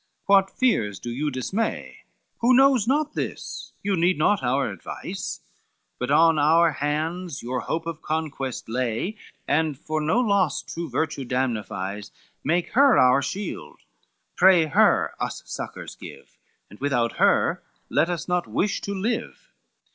what fears do you dismay? Who knows not this, you need not our advice! But on your hand your hope of conquest lay, And, for no loss true virtue damnifies, Make her our shield, pray her us succors give, And without her let us not wish to live.